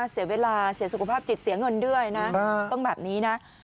เสียเวลาเสียสุขภาพจิตเสียเงินด้วยนะต้องแบบนี้นะ